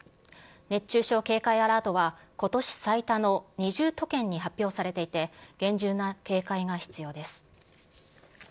熱中症警戒アラートは、ことし最多の２０都県に発表されていて、厳重な警戒が必要です。